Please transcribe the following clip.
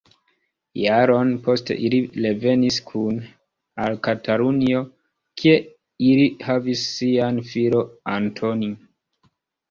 Jaron poste ili revenis kune al Katalunio, kie ili havis sian filon Antoni.